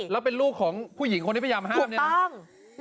แล้วเป็นลูกของผู้หญิงอ่ะเนี่ยที่ก็พยายามห้ามเนี่ย